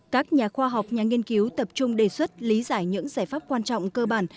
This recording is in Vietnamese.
các nhà khoa học nhà nghiên cứu tập trung đề xuất lý giải những giải pháp quan trọng cơ bản